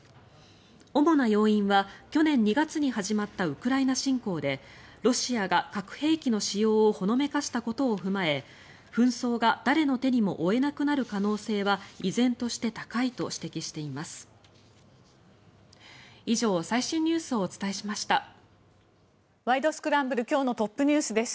主な要因は去年２月に始まったウクライナ侵攻でロシアが核兵器の使用をほのめかしたことを踏まえ紛争が誰の手にも負えなくなる可能性は依然として高いと指摘しています。